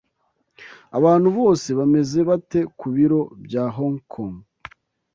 Abantu bose bameze bate ku biro bya Hong Kong?